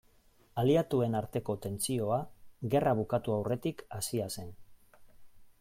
Aliatuen arteko tentsioa gerra bukatu aurretik hasia zen.